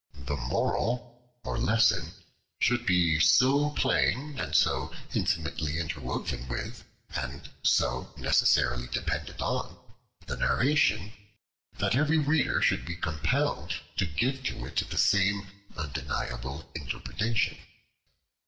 The moral or lesson should be so plain, and so intimately interwoven with, and so necessarily dependent on, the narration, that every reader should be compelled to give to it the same undeniable interpretation.